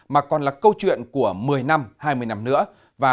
mà còn là câu chuyện của một mươi năm hai mươi năm nữa